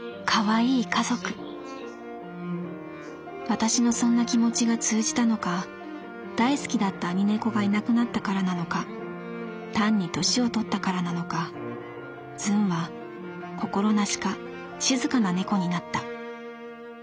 私のそんな気持ちが通じたのか大好きだった兄猫がいなくなったからなのか単に歳をとったからなのかズンは心なしか静かな猫になった。